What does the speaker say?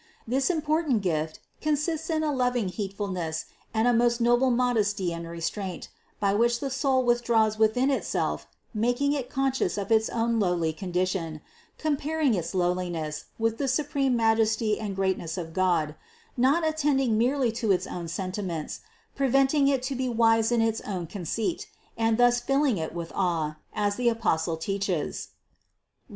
This important gift consists in a loving heedfulness and a most noble modesty and restraint, by which the soul withdraws within itself making it conscious of its own lowly condition, comparing its lowliness with the supreme majesty and greatness of God, not attending merely to its own sentiments, preventing it to be wise in its own con ceit, and thus rilling it with awe, as the Apostle teaches (Rom.